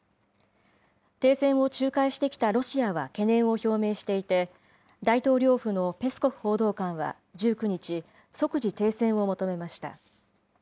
停戦を仲介してきたロシアは懸念を表明していて、大統領府のペスコフ報道官は１９日、即時停戦を求めました。